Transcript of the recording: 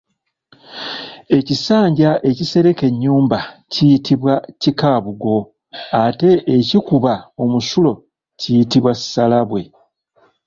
Ekisanja ekisereka ennyumba kiyitibwa Kikaabugo ate ekikuba omusulo kiyitibwa Ssalabwe.